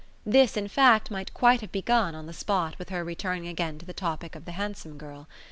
This in fact might quite have begun, on the spot, with her returning again to the topic of the handsome girl.